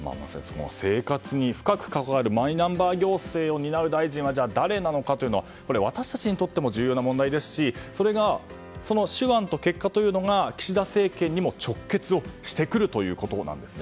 生活に深くかかわるマイナンバー行政を担う大臣は誰なのかというのは私たちにとっても重要な問題ですしその手腕と結果が岸田政権にも直結をしてくるということですね。